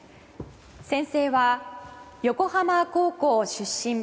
宣誓は横浜高校出身